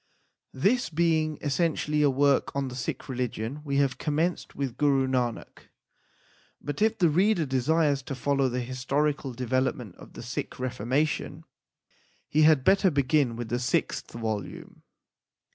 This being essentially a work on the Sikh religion we have commenced with Guru Nanak ; but if the reader desires to follow the historical development of the Sikh reformation, he had better begin with the sixth volume.